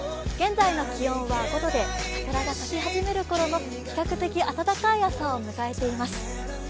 現在の気温は５度で、桜が咲き始める頃の比較的暖かい朝を迎えています。